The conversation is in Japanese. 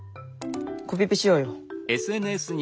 コピペしようよ。